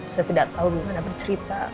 saya tidak tahu bagaimana bercerita